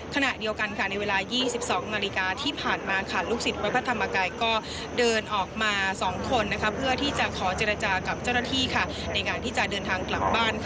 ขณะเดียวกันในเวลา๒๒นาฬิกาที่ผ่านมาลูกศิษย์วัดพระธรรมกายก็เดินออกมา๒คนเพื่อที่จะขอเจรจากับเจ้าหน้าที่ในการที่จะเดินทางกลับบ้าน